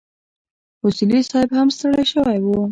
اصولي صیب هم ستړی شوی و.